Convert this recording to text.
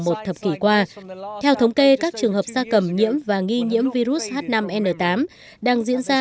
một thập kỷ qua theo thống kê các trường hợp gia cầm nhiễm và nghi nhiễm virus h năm n tám đang diễn ra